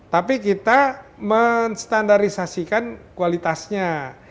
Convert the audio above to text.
tapi kita menstandarisasikan kualitasnya